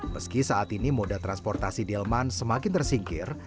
meski saat ini moda transportasi delman semakin tersingkir